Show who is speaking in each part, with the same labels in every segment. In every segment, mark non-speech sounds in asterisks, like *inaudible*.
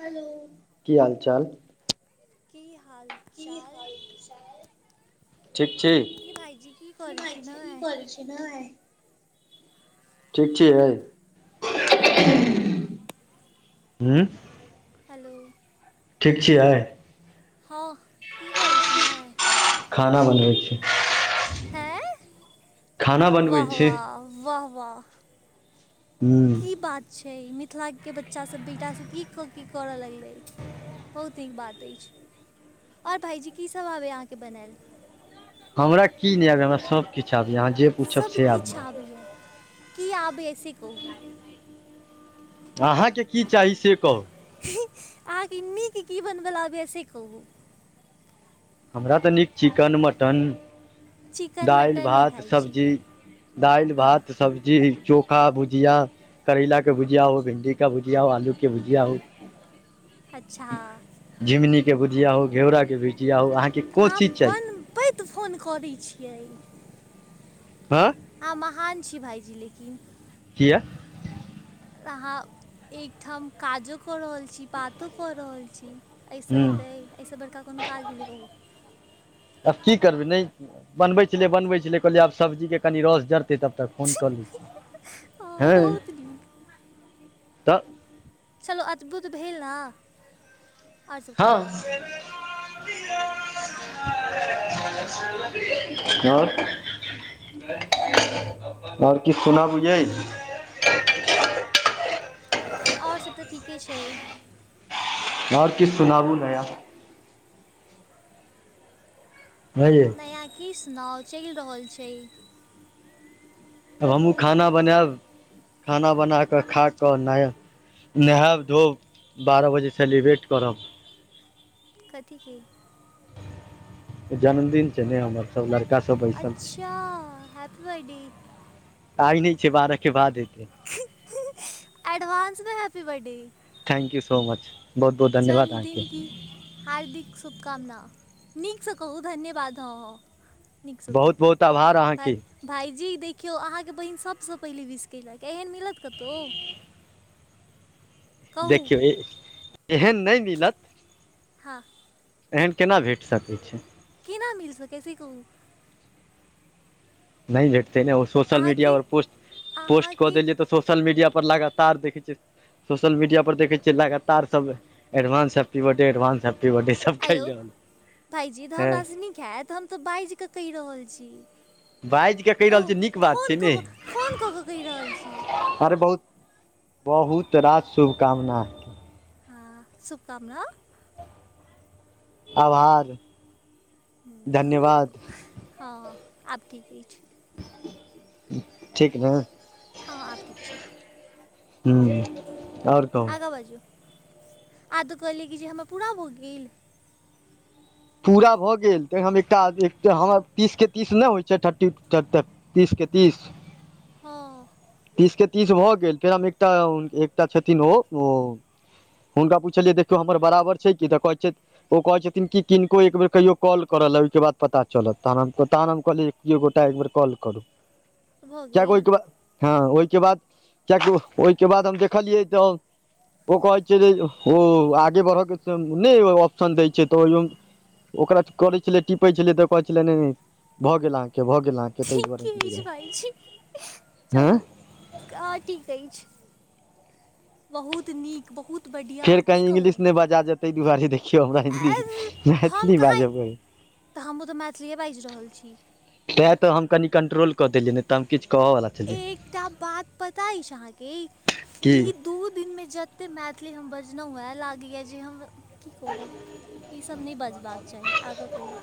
Speaker 1: Hello की हाल चाल
Speaker 2: की हाल चाल
Speaker 1: ठीक छी
Speaker 2: कि भाईजी की करए छी नय
Speaker 1: एनय ठीक छियै हूं
Speaker 2: हेलो
Speaker 1: ठीक छियै
Speaker 2: हँ कि करै छी नए
Speaker 1: खाना बनबै छी
Speaker 2: हेऽ
Speaker 1: खाना बनबै छी
Speaker 2: वाह-वाह वाह-वाह
Speaker 1: हूँ
Speaker 2: की बात छै मिथिलाके बच्चा सब बेटासब की कऽ की करय लगलै बहुत नीक बात अएछ और भाईजी कीसब आबैये अहाँके बनैल
Speaker 1: हमरा की नहि आबैये हमरा सब किछ आबैये
Speaker 2: सबकिछ आबैए की आबैए से कहू
Speaker 1: अहाँके की चाही से कहू
Speaker 2: अहाँके नीक की बनबल आबैय से कहू
Speaker 1: हमरा तऽ नीक चिकन मटन
Speaker 2: चिकन
Speaker 1: दालि
Speaker 2: मटन नहि
Speaker 1: भात
Speaker 2: खाइ छी
Speaker 1: सब्जी दालि
Speaker 2: हँ
Speaker 1: भात सब्जी चोखा भुजिया करैला के भुजिया हो भिन्डी का भुजिया हो आलू की भुजिया हो
Speaker 2: अच्छा
Speaker 1: झिंमनी के भुझिया हो घेयोरा के भुजिया हो अहा
Speaker 2: आब बनबैत फोन कऽ दै छियै
Speaker 1: आँ
Speaker 2: अहा महान छी भाईजी लेकिन
Speaker 1: किये
Speaker 2: अहाँ एकठाम काजो कऽ रहल छी बातो कऽ रहल छी ऐ सऽ
Speaker 1: हूँ
Speaker 2: हेतै अए सऽ बड़का कोनो काज भेलै कहू
Speaker 1: आब की करबै नहि बनबै छलियै बनबै छलियै कहलियै आब सब्जीके कनि रस जरतै तब तक फोन कऽ लै छियै हँ
Speaker 2: बहुत नीक
Speaker 1: तऽ
Speaker 2: चलू अद्भुत भेल नऽ
Speaker 1: हँ *inaudible* हॅं *inaudible* आओर किछु सुनाबू यै
Speaker 2: आओर सब तऽ ठीके छै
Speaker 1: आओर किछु सुनाबू नया हयै
Speaker 2: नया की सुनाउ चलि रहल छै
Speaker 1: आब हमहूँ खाना बनायब खाना बना कऽ खा कऽ नय नहायब धोऽब बारह बजे सेलिब्रेट करब
Speaker 2: कथी के
Speaker 1: जन्मदिन छै ने हमर सब लड़का सब बैसल छै
Speaker 2: अच्छा हैपी बर्डे
Speaker 1: आइ नहि छै बारह के बाद हेतै
Speaker 2: *unintelligible* एडवांस मे happy birthday
Speaker 1: thank you so much बहुत बहुत धन्यवाद अहाँके
Speaker 2: जन्मदिन की हार्दिक शुभकामना नीकसँ कहू धन्यवाद हॅं हॅं नीक सऽ कहू
Speaker 1: बहुत बहुत आभार
Speaker 2: तऽ आइ
Speaker 1: अहाँके
Speaker 2: भाइजी देखियौ अहाँके बहिन सभसँ पहिले विस कयलक एहन मिलत कतहु *inaudible* कहू
Speaker 1: देखियौ एहन नहि मिलत
Speaker 2: हाँ
Speaker 1: एहन केना भेट सकै छै
Speaker 2: केना मिल सकै छै से कहू
Speaker 1: नहि भेटतै ने ओ सोशल मीडिया
Speaker 2: अहाँके
Speaker 1: पर पोस्ट पोस्ट कऽ
Speaker 2: अहाँके
Speaker 1: देलियै तऽ सोशल मीडिया पर लगातार देखै छियै सोशल मीडिया पर देखे छियै लगातार सब advance happy birthday advance birthday सब
Speaker 2: आँ
Speaker 1: कहि
Speaker 2: यौ
Speaker 1: रहल
Speaker 2: भाइजी तऽ
Speaker 1: है
Speaker 2: हमरास नीक हैत हम तऽ बाजिकऽ कहि रहल छी
Speaker 1: बाजि कऽ कहि रहल
Speaker 2: कहू
Speaker 1: छ नीक बात
Speaker 2: फोन
Speaker 1: छै
Speaker 2: कऽ
Speaker 1: ने
Speaker 2: कऽ फोन कऽ कऽ कहि रहल छी
Speaker 1: अरे बहुत बहुत रास शुभकामना
Speaker 2: हँ शुभकामना
Speaker 1: आभार धन्यवाद
Speaker 2: हँ आब ठीक अछि
Speaker 1: ठीक ने
Speaker 2: हँ हँ आब ठीक छै
Speaker 1: हुं आओर कहू
Speaker 2: आगाँ बाजू आ तऽ कहलियै कि जे हमरा पूरा भऽ गेल
Speaker 1: पूरा भऽ गेल त हम एकटा हम तीस के तीस न होइ थर्टी तऽ तीसके तीस
Speaker 2: हँ
Speaker 1: तीस के तीस भऽ गेल फेर हम एकटा एकटा छथिन ओ हुनका पुछलियै देखियौ हमर बराबर छै कि तऽ कहै छै ओ कहै छथिन कि किनको एकबेर कहियो कॉल करऽ ल ओहिके बाद पता चलत तहन हम तहन हम कहलियै जे कियो गोटा एकबेर कॉल करू
Speaker 2: भऽ
Speaker 1: किएकि
Speaker 2: गेल
Speaker 1: ओहिके बाद हँ ओहिके बाद किएकि ओहिके बाद हम देखलियै तऽ ओ कहै छै जे हं आगे बढ़य के नहि ऑप्शन दै छै तऽ ओ ओकरा करै छलै टीपै छलियै तऽ कहै छले नहि भऽ गेल अहाँके भऽ गेल अहाॅंके
Speaker 2: ठीके ई भाय ठीके,
Speaker 1: हँ
Speaker 2: चलू। का ठिक अछि, बहुत नीक बहुत बढ़िआँ
Speaker 1: फेर
Speaker 2: की
Speaker 1: कहीं
Speaker 2: कहू
Speaker 1: इंग्लिश नहि बाजा जेतै, तै दुआरे देखियौ हमरा हिन्दी।
Speaker 2: ए हम
Speaker 1: मैथिली
Speaker 2: कहाँ,
Speaker 1: बाजब अइ
Speaker 2: तऽ हमहुँ तऽ मैथिलीए बाजि रहल छी।
Speaker 1: तैँ तऽ, हम कनि कंट्रोल कऽ देलियै नहि तऽ हम किछु कहऽवला छलियै
Speaker 2: एकटा बात पता अछि अहाँके?
Speaker 1: की
Speaker 2: ई दू दिनमे जते मैथिली हम बजलहुँ एह, लागैए जे हम की कहू। ई सब नहि बजबाक चाही, आगाँ कहूं।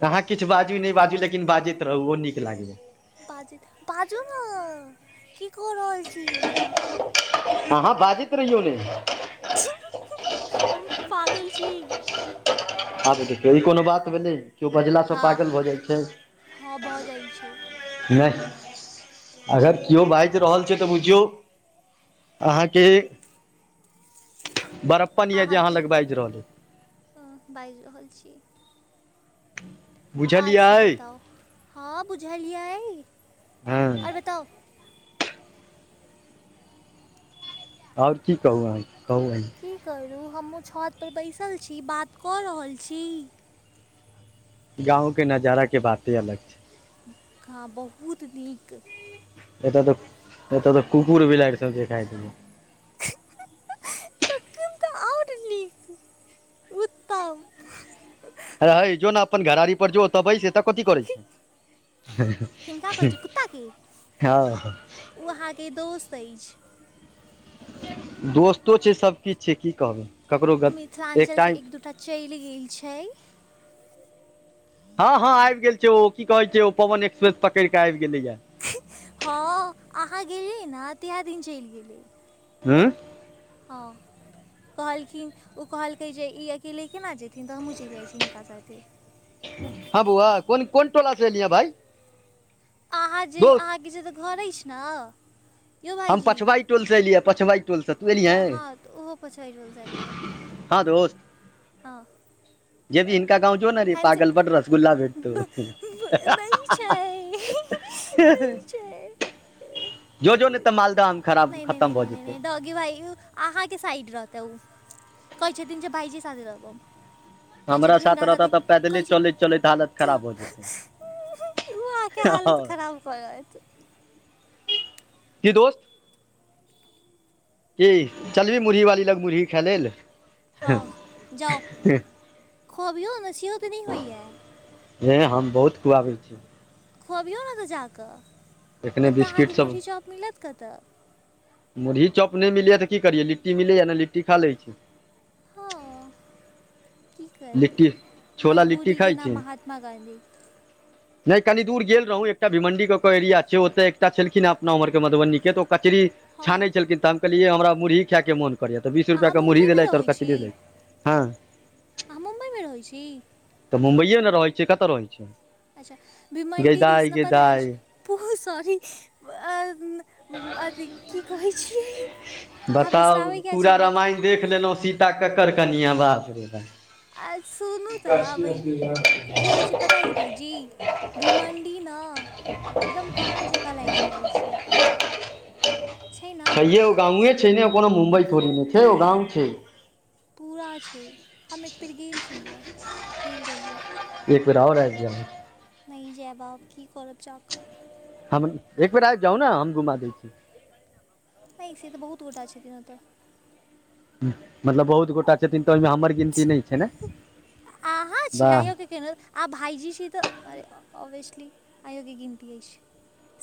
Speaker 1: तऽ अहाँ किछु बाजू, नहि बाजू, लेकिन बाजैत रहू, ओ नीक लागैया।
Speaker 2: बाजू, बाजू ने की कऽ रहल छी।
Speaker 1: अहाँ बाजैत रहियौ ने।
Speaker 2: हीं -हीं हम पागल छी। *inaudible*
Speaker 1: अ तऽ देखियौ, ई कोनो बात भेलै? केओ बजलासँ
Speaker 2: हँ
Speaker 1: पागल भऽ जाइ छै,
Speaker 2: हँ भऽ जाइ छै
Speaker 1: नहि। अगर केओ बाजि रहल छै तऽ बुझियौ, अहाँके बरप्पन यऽ जे अहाँ
Speaker 2: अहाँके
Speaker 1: लग बाजि रहल अय।
Speaker 2: अ, बाजि रहल छी
Speaker 1: *inaudible*
Speaker 2: आओर सब बताओ, हँ बुझलिय,
Speaker 1: हँ
Speaker 2: आओर बताउ।
Speaker 1: आओर की कहू अहां के, कहु अहिं?
Speaker 2: की करू, हमूँ छतपर बैसल छी, बात कऽ रहल छी।
Speaker 1: गाँंव के नजारा के बाते अलग छै।
Speaker 2: झंखा बहुत नीक।
Speaker 1: एतऽ तऽ एतऽ तऽ कुकुर बिलाए कऽ सब देखाइ दैत छैै।
Speaker 2: तखन तऽ और नीक, उतम।
Speaker 1: हे ओ जो ने अपन घरारी पर जो, ओत बैस, एतऽ कथी करै छी?
Speaker 2: किनका कहै चियै कुत्ताके, ओ अहाँके दोस्त अछि।
Speaker 1: दोस्तो छै, सभकिछु छै, की कहबै, ककरो ग एक टाइम
Speaker 2: चैलि गेल छै।
Speaker 1: हँ- हँं, आबि गेल छै, ओ की कहे छै, ओ पवन एक्सप्रेस पकड़िके आबि गेले ये।
Speaker 2: ही़ हँ, अहाँ गेलियै ने, ताहि दिन चलि गेलै।
Speaker 1: आंय।
Speaker 2: हँ। कहलखिन, ओ कहलकै जे ई अकेले केना जेथिन, तऽ हमहूँ चलि जाइ छी हिनका साथे।
Speaker 1: हँ बौआ, कोन- कोन टोला से एलिहि भाइ।
Speaker 2: अहाँ जे,
Speaker 1: दोस्त
Speaker 2: अहाँके जे तऽ घर अछि ने। यौ
Speaker 1: हम
Speaker 2: भाइजी
Speaker 1: पछबाइ टोलसँ एलियै, पछुआ टोलसँ, तू
Speaker 2: प-
Speaker 1: एलियहे?
Speaker 2: हँ तऽ ओहो पर चढ़ि रहल छलियै
Speaker 1: हँ दोस्त।
Speaker 2: हँ।
Speaker 1: जेदिन
Speaker 2: हस *inaudible*
Speaker 1: भेटतौ
Speaker 2: नहि छै। नहि
Speaker 1: जो जो ने तऽ मालदह आम खराब
Speaker 2: -नहि-
Speaker 1: खतम
Speaker 2: नहि-
Speaker 1: भऽ
Speaker 2: नहि -नहि
Speaker 1: जेतै
Speaker 2: नहिॉ। गे भाइ, अहाँके साइड रहते ओ, कहै छथिन जे भाइजी साथे रहब। कहै
Speaker 1: हमरा
Speaker 2: छथिन
Speaker 1: साथ
Speaker 2: हिनका
Speaker 1: रहता
Speaker 2: साथे
Speaker 1: तऽ पै
Speaker 2: कहै छै
Speaker 1: चलैत -चलैत हालत
Speaker 2: क-
Speaker 1: खराब हो जेतै, हँ।
Speaker 2: आब कहेत।
Speaker 1: की दोस्त? की चलबही मुरही वाली लग मुरही खाय लेल ल।
Speaker 2: हँ जाउ खोबियौ नशियो तऽ नहि होई ह।
Speaker 1: हे हम बहुत खुआबै छी।
Speaker 2: खुबियौ ने तऽ जााकऽ
Speaker 1: एखने
Speaker 2: ओतय
Speaker 1: बिस्किट
Speaker 2: अहाँकेँ
Speaker 1: सब
Speaker 2: मुरही चौप मिलत कतय।
Speaker 1: मुरही चप नहि मिलै तऽ की करिय लट्टी मिलैए ने लिट्टी खा लै छी।
Speaker 2: हँ की करबै
Speaker 1: लिट्टी छोला लिट्टी
Speaker 2: मजबूीके
Speaker 1: खाइ छी
Speaker 2: नाम महात्मा गाँधी।
Speaker 1: नहि कनी दूर गेल रहौँ एकटा भिमण्डीके के एरिया छै ओतऽ एकटा छलखिन अपना ओमहरके मधुबनीके तऽ ओ कचरी
Speaker 2: हँ
Speaker 1: छानै छलखिन तऽ हम कहलियै हमरा मुरही खायए मोन कर करिय तऽ बीस रुपआ
Speaker 2: अहाँ
Speaker 1: के मुरही
Speaker 2: मुम्बइमे
Speaker 1: देलथि आओर
Speaker 2: रहै
Speaker 1: कचरी देल हँ।
Speaker 2: आ मुम्माइ भ रह हो छी?
Speaker 1: तऽ मुम्बइए ने रहैत छियै कतऽ रहैत छियै?
Speaker 2: अच्छा
Speaker 1: गै
Speaker 2: भीमंडी
Speaker 1: दाइ
Speaker 2: दिसना
Speaker 1: गै
Speaker 2: पता अछि
Speaker 1: दाइ
Speaker 2: पू सॉरी *unintelligible* अथी की कहै छीिय अहाँ
Speaker 1: बताउ
Speaker 2: बिश्रबयके छी
Speaker 1: पूरा
Speaker 2: हमरा।
Speaker 1: रामायण देख लेलहुँ सीता ककर कनिआवास रहै।
Speaker 2: आ सुनू तऽ अबै की होइ छै। पता ह छै भाइजी भीमण्डी न एकदम गाँव जग *unintelligible* लायग रहल छै न
Speaker 1: हैयो गावे छै ने कोनो मुम्बइ थोड़ी
Speaker 2: गाँव
Speaker 1: नहि छै ओ
Speaker 2: पूरा
Speaker 1: गाँव छै।
Speaker 2: पूरा छै हम एक बेेर गेल छलियै गेल रहियै।
Speaker 1: एक बेे आओ आयि जाै।
Speaker 2: नहि जय बाब की करौरब चाक
Speaker 1: हम एक बेर आबि जाउ ने हम घुमा दै छी।
Speaker 2: नहि से तऽ बहुत गोटा छथिन ओतऽ।
Speaker 1: मतलब बहुत गोटा छथिन तऽ ओहिमे हमर गिनती नहि छै ने।
Speaker 2: अहाँ छी
Speaker 1: वाह
Speaker 2: आइयो के *unintelligible* आ भाइजी छी तऽ ऑबभियसली आयोगे गिनती अछिइ छी।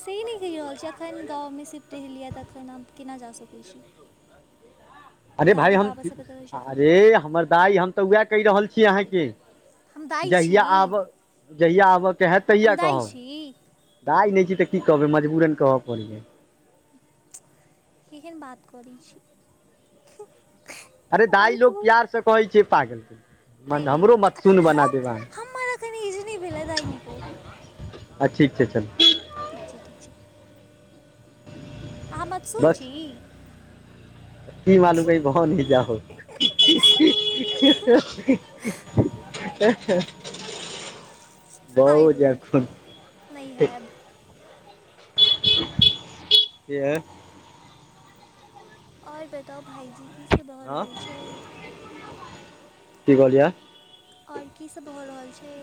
Speaker 2: सेही नहि कहि रहल छी एखन गाँवमे सिफट ल यए तऽ एखन आ केना जा सकैत छी।
Speaker 1: अरे भााय
Speaker 2: दादी
Speaker 1: हम
Speaker 2: बाबा सब एतऽ रहै छथिन
Speaker 1: अरे हमर दाइ हम तऽ उएह कहि रहल छीय अहाँके।
Speaker 2: हम दाइ छी
Speaker 1: जहिया आबऽ जहिया आबयके हएैत तहिया
Speaker 2: हम दाइ
Speaker 1: कहब।
Speaker 2: छी
Speaker 1: दइ नहि छै तऽ की कहबै मजबूरन कहऽ पड़ै।
Speaker 2: *unintelligible* एहन बात करैत छी हू
Speaker 1: अरे दाइ लोग प्यारसँ कहैत छै पागलके
Speaker 2: नहि नहि त हम हमरा कनि इज नहि भेलै दाइ नो कहबो।
Speaker 1: आ ठीक छै चल
Speaker 2: ठीक छै, ठीक छै। अहाँ मत सुन
Speaker 1: बस
Speaker 2: छी।
Speaker 1: की मालू कै ब न जा हो। *unintelligible*
Speaker 2: *unintelligible* आइ द
Speaker 1: खून
Speaker 2: नहि हैब
Speaker 1: एह
Speaker 2: आओर बताउ भाईजी कीसभ भऽ
Speaker 1: हँ
Speaker 2: रहल छै?
Speaker 1: *unintelligible* की कहलििय?
Speaker 2: आओर की सब भऽ रहल छै?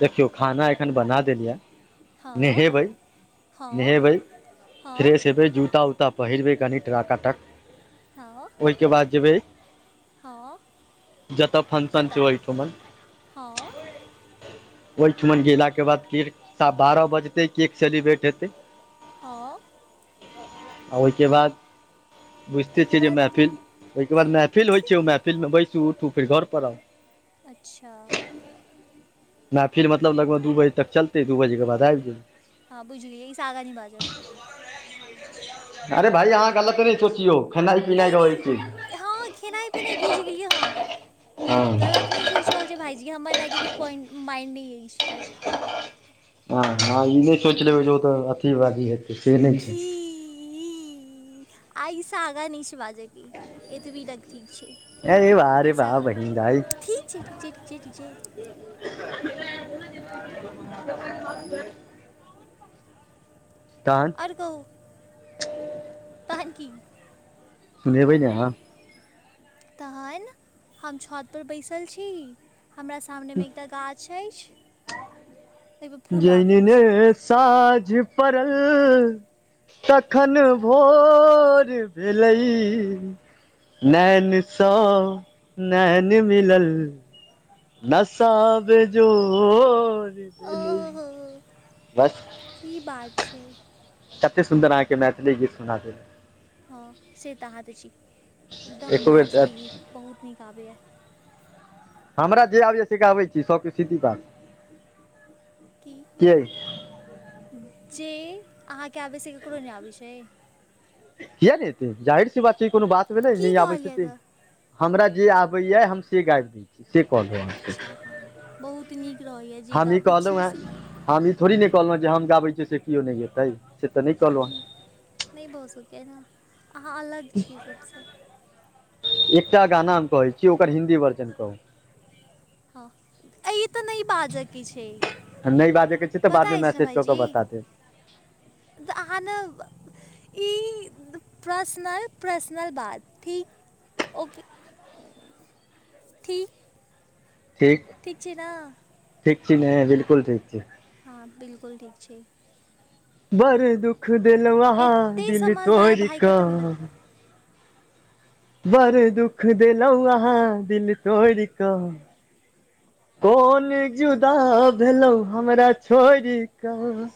Speaker 1: देखियौ खाना एखन बना देलिया
Speaker 2: हाँ
Speaker 1: नेहेबै
Speaker 2: हाँ
Speaker 1: नेहेबै
Speaker 2: हाँ
Speaker 1: फ्रेश हेबै जूता उता आ पहिरबै कनि टकाटक
Speaker 2: हँ
Speaker 1: ओइ के बाद जेबई
Speaker 2: हँ
Speaker 1: फंक्शन
Speaker 2: कतऽ
Speaker 1: छै ओहिठुमन
Speaker 2: हँ
Speaker 1: ओइठमन गेलाक के बाद की सा बारह बजते केक सेलिब्रेट हेतै
Speaker 2: हँ
Speaker 1: आ ओइ के बाद बुझिते
Speaker 2: ओहिके
Speaker 1: छिय जे
Speaker 2: बाद
Speaker 1: महफिल ओइके बाद मेहफिल होइ छै ओ महफिल मे बैसू उठु फिर घर पर आउ
Speaker 2: अच्छा
Speaker 1: मेहफिल मतलब लगभ दू बजे तक चलतै दू बजे के बाद आबिय जबै
Speaker 2: हँ बुझलियै ईस आगा नइ बाजब
Speaker 1: अरे भाय अहाँ गलत नए सोचियौ खेनाइ पिनाइ रहै छय
Speaker 2: हँ खेनाइ पिनाइ बुझि गेलियै हम
Speaker 1: हँ
Speaker 2: गलत नेइ सोइच रहल छीए भाईजी ईए हमर नेगेटिव पॉइंट माइंड नैए ऐ इस
Speaker 1: हँ - हँ ई नय
Speaker 2: आओर
Speaker 1: सोइच
Speaker 2: कहू
Speaker 1: लेबै जे ओ तऽ अथी बाजी हेतै से नई छय
Speaker 2: ई आईसँ आगाँ नई छै बाजैके एतबी तक ठीक छै।
Speaker 1: अरे बा रे
Speaker 2: एहिसँ
Speaker 1: बा
Speaker 2: आगाँ
Speaker 1: बहिन दाई
Speaker 2: ठीक छै, ठीक छै, ठीक छै, ठीक छै
Speaker 1: ह *inaudible* तहन
Speaker 2: आओर कहु तहन कि
Speaker 1: लै बै नै आहाँ
Speaker 2: तहन हम छत पर बैसल छी, हमरा सामने मे एकटा गाछ छैयछ छै
Speaker 1: जेहने साँझ पड़ल तखन भोर भेलैइ नैन स नैन मिलल नशा बेजोड़ भेलइ
Speaker 2: ओहो
Speaker 1: बस
Speaker 2: की बात छै।
Speaker 1: कतेक सुन्दर अहाँके मैथिली गीत सुना देलउ
Speaker 2: हँ से तऽ अहाँ तऽ छी, एकदम
Speaker 1: एको बेर
Speaker 2: मैथिली गीत बहुत नीक आबैए
Speaker 1: हमरा जे आबैय से गाबइ छी, सबके सीधी बात
Speaker 2: की
Speaker 1: किया
Speaker 2: जे अहाँके आबै से ककरो नेए आबै छै।
Speaker 1: किया नै एतै जाहिर सी बात छइ, कोनो बात भेलै
Speaker 2: की
Speaker 1: नइ आबै छै
Speaker 2: कहलियै
Speaker 1: तै
Speaker 2: तऽ
Speaker 1: हमरा जे आबैया हम से गाइब दइ ठीके कहलिऐ अहाँके
Speaker 2: अच्छा हँ बहुत नीक रहैए जे
Speaker 1: हमी
Speaker 2: गाबै
Speaker 1: कहलहु
Speaker 2: छी से
Speaker 1: हैं
Speaker 2: हूँ
Speaker 1: हमी थोड़े ने कहलहुँ जे हम गाबै छियै, से केओ नय गेतेइ से त नय कह
Speaker 2: ह नए भऽ सकै न अहाँ अलग छी, सभसँ
Speaker 1: एकटा गाना हम कहै छीय, ओकर हिन्दी वर्जन कहू
Speaker 2: ह अइ तऽ नई बाजैक छै।
Speaker 1: नय बाजैके छै तऽ,
Speaker 2: पता
Speaker 1: बादमे
Speaker 2: अछि ने
Speaker 1: मैसेज कऽ कऽ,
Speaker 2: भाइजी
Speaker 1: बता देब
Speaker 2: तऽ अहाँ ने ई प्रसनल- प्रसनल बात, ठीक, ओके ठीक-
Speaker 1: ठीक
Speaker 2: ठीक छै ना।
Speaker 1: ठीक छी ने बिल्कुल ठीक छी।
Speaker 2: हँ बिल्कुल ठीक छी।
Speaker 1: बड्ड दुःख देलौं अहाँ
Speaker 2: एतेक
Speaker 1: दिल
Speaker 2: समझदार भायके तऽ
Speaker 1: तोइड़कऽ
Speaker 2: मिलत
Speaker 1: बड़ दुख देलौं अहाँ दिल तोइड़क कोन जुदा भेलौं हमरा छोइड़ कऽ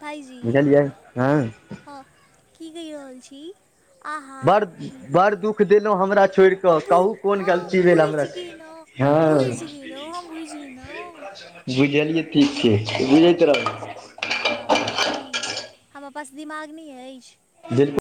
Speaker 2: भाइजी
Speaker 1: बुझलियै, हँ
Speaker 2: हँ की कैह रहल छी? आहाँ
Speaker 1: बड़ बड़ दुःख देलौ हमरा छोड़ि
Speaker 2: हँ
Speaker 1: कऽ
Speaker 2: बु
Speaker 1: कहू कोन
Speaker 2: हँ
Speaker 1: गलती भेल
Speaker 2: बुइझ
Speaker 1: हमरा
Speaker 2: गेलौं।
Speaker 1: हँ
Speaker 2: बुइझ गेलौं, हम बुइझ गेनौ।
Speaker 1: बुझलियै ठीक छै, से बुझै
Speaker 2: ठीक छै, हँ त कि? हमरा पास दिमाग नय अइछ।
Speaker 1: बिल्कु-